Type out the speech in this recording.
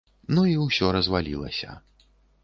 Ну і ўсё развалілася.